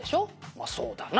「まあそうだな」